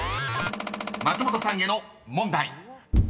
［松本さんへの問題］